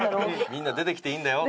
「みんな出てきていいんだよ」